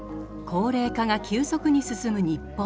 高齢化が急速に進む日本。